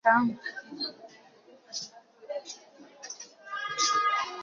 ha malitere mebe nnyòcha ozigbo banyere nke ahụ